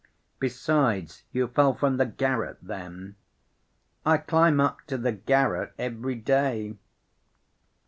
"Besides, you fell from the garret then." "I climb up to the garret every day.